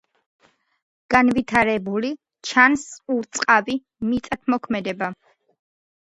განვითარებული ჩანს ურწყავი მიწათმოქმედება.